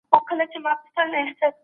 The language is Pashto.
څه شی پاسپورت له لوی ګواښ سره مخ کوي؟